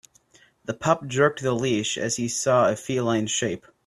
The pup jerked the leash as he saw a feline shape.